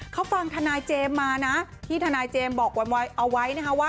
เขาฟังทนายเจมส์มาที่ทนายเจมส์บอกเอาไว้